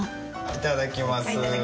いただきます。